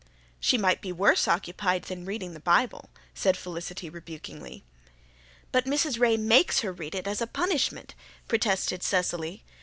"She might be worse occupied than reading the Bible," said Felicity rebukingly. "But Mrs. Ray makes her read it as a punishment," protested Cecily.